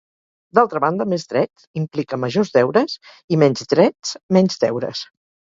D'altra banda, més drets implica majors deures i menys drets, menys deures.